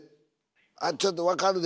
あちょっと分かるで。